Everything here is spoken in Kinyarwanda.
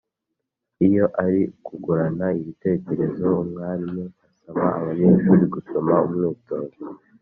Iyo ari ukungurana ibitekerezo umwarimu asaba abanyeshuri gusoma umwitozo